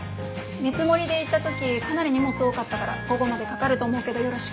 見積もりで行った時かなり荷物多かったから午後までかかると思うけどよろしく。